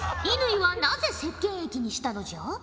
乾はなぜせっけん液にしたのじゃ？